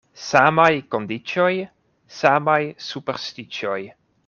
Samaj kondiĉoj, samaj superstiĉoj.